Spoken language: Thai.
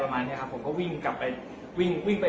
แล้วก็พอเล่ากับเขาก็คอยจับอย่างนี้ครับ